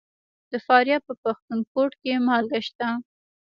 د فاریاب په پښتون کوټ کې مالګه شته.